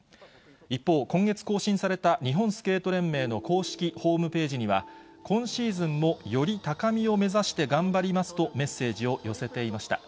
一方、今月更新された日本スケート連盟の公式ホームページには、今シーズンもより高みを目指して頑張りますとメッセージを寄せていました。